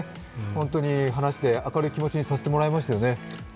本当に話して明るい感じにさせてもらいましたよね。